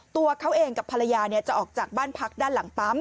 ตัวเขาเองกับภรรยาจะออกจากบ้านพักด้านหลังปั๊ม